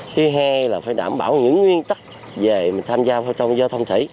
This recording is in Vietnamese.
thứ hai là phải đảm bảo những nguyên tắc về mình tham gia phòng chống dịch giao thông thủy